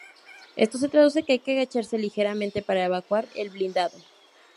Esto se traduce en que hay que agacharse ligeramente para evacuar el blindado.